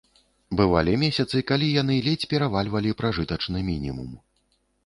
Бывалі месяцы, калі яны ледзь перавальвалі пражытачны мінімум.